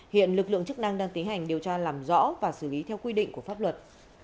hiện lực lượng chức năng đang tiến hành điều tra làm rõ và xử lý theo quy định của pháp luật